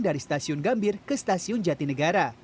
dari stasiun gambir ke stasiun jatinegara